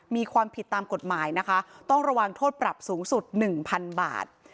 มีความผิดตามกฎหมายนะคะต้องระวังโทษปรับสูงสุด๑๐๐๐บาท